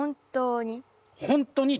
本当に？